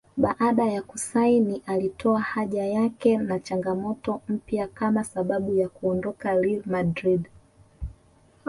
Baada ya kusaini alitoa haja yake na changamoto mpya kama sababu ya kuondoka RealMadrid